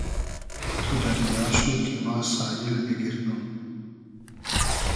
تو دئریا شو کی ما ساییل بیگئردوم